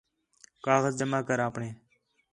کاغذ جمع کر آپݨے